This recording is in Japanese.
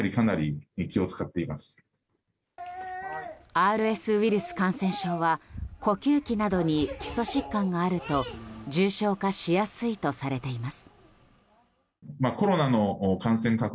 ＲＳウイルス感染症は呼吸器などに基礎疾患があると重症化しやすいとされています。